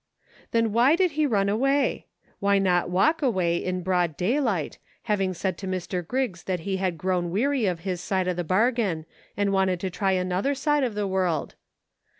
Then why did he run away ." Why not walk away in broad daylight, having said to Mr. Griggs that he had grown weary of his side of the bargain, and wanted to try an other side of the world